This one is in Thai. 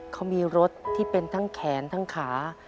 เขามีรถที่เป็นทั้งแขนทั้งขา